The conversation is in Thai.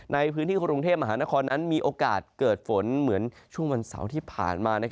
ในพื้นที่กรุงเทพมหานครนั้นมีโอกาสเกิดฝนเหมือนช่วงวันเสาร์ที่ผ่านมา